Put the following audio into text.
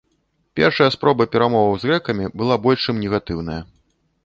Першая спроба перамоваў з грэкамі была больш чым негатыўная.